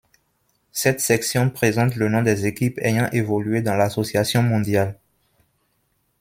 Cette section présente le nom des équipes ayant évolué dans l'Association mondiale.